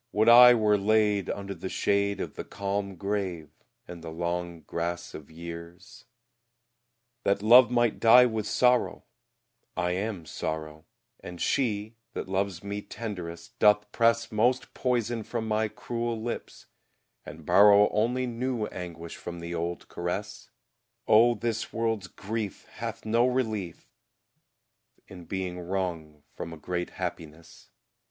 Would I were laid Under the shade Of the calm grave, and the long grass of years, That love might die with sorrow: I am sorrow; And she, that loves me tenderest, doth press Most poison from my cruel lips, and borrow Only new anguish from the old caress; Oh, this world's grief Hath no relief In being wrung from a great happiness.